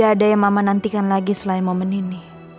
gak ada yang mama nantikan lagi selain momen ini